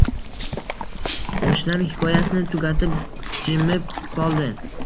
Oshnam hikoyasini tugatib, jimib qoldi